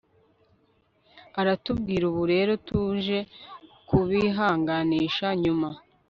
aratubwira ubu rero tuje kubihanganisha nyuma